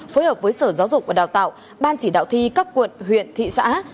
phối hợp với sở giáo dục và đào tạo ban chỉ đạo thi các quận huyện thị xã